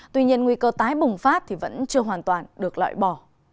tuy nhiên nguy cơ tái bùng phát vẫn chưa hoàn toàn được lợi bỏ